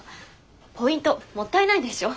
ポイントもったいないでしょ。